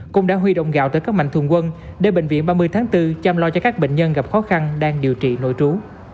cũng đã huy động gạo tới các mạnh thường quân để bệnh viện ba mươi tháng bốn chăm lo cho các bệnh nhân gặp khó khăn đang điều trị nội trú